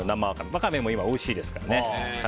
ワカメも今、おいしいですからね。